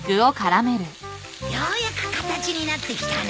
ようやく形になってきたね。